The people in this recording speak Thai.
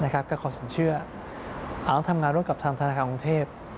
ก็ขอสัญชื่ออาวุธทำงานรวดกับธนาคารกรรมอังเทพฯ